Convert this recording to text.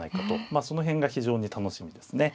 まあその辺が非常に楽しみですね。